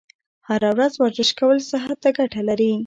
هره ورځ ورزش کول صحت ته ګټه لري.